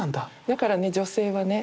だからね女性はね